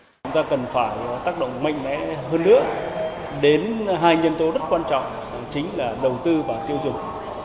chúng ta cần phải tác động mạnh mẽ hơn nữa đến hai nhân tố rất quan trọng chính là đầu tư và tiêu dùng